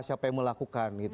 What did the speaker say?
siapa yang melakukan